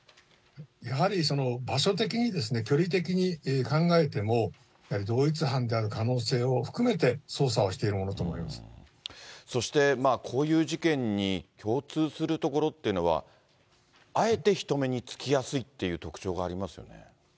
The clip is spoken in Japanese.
やはり場所的にですね、距離的に考えても、やはり同一犯である可能性を含めて捜査をしているものと見られまそしてこういう事件に共通するところっていうのは、あえて人目につきやすいという特徴がありますよね。